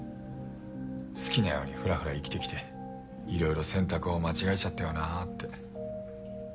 好きなようにふらふら生きてきていろいろ選択を間違えちゃったよなって。